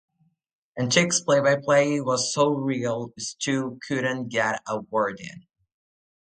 And Chick's play-by-play was so real Stu couldn't get a word in.